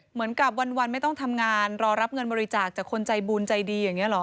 เหมือนกับวันไม่ต้องทำงานรอรับเงินบริจาคจากคนใจบุญใจดีอย่างนี้หรอ